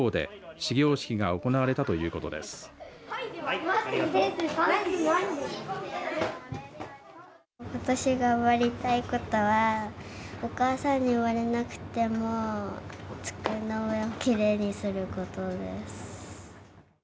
私がやりたいことはお母さんに言われなくても机の上をきれいにすることです。